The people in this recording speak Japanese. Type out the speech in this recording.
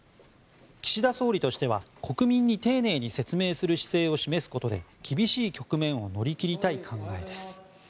岸田総理としては国民に丁寧に説明する姿勢を示すことで厳しい局面を乗り切りたい考えです。